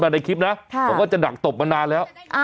มาในคลิปนะแต่ก็จะหนักตบมานานแล้ว